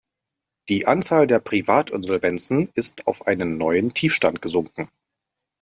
Die Anzahl der Privatinsolvenzen ist auf einen neuen Tiefstand gesunken.